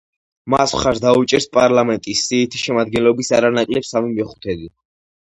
მას მხარს დაუჭერს პარლამენტის სიითი შემადგენლობის არანაკლებ სამი მეხუთედი.